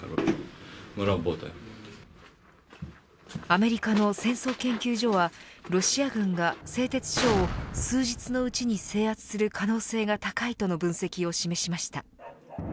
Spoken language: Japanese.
アメリカの戦争研究所はロシア軍が製鉄所を数日のうちに制圧する可能性が高いとの分析を示しました。